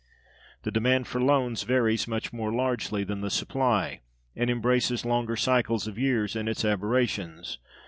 The demand for loans varies much more largely than the supply, and embraces longer cycles of years in its aberrations.